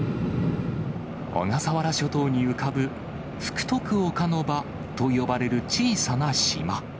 小笠原諸島に浮かぶ福徳岡ノ場と呼ばれる小さな島。